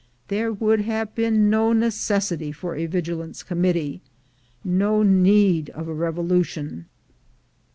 There would have been no necessity for a Vigilance Com mittee, no need of a revolution.